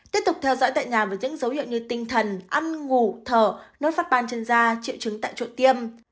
tiếp tục theo dõi tại nhà với những dấu hiệu như tinh thần ăn ngủ thở nốt phát ban trên da triệu chứng tại chỗ tiêm